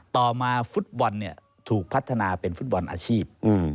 ต่อมาฟุตบอลถูกพัฒนาเป็นฟุตบอลอาชีพ